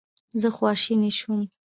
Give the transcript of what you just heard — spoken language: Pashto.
زه خواشینی شوم.